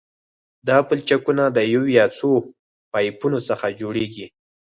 دا پلچکونه د یو یا څو پایپونو څخه جوړیږي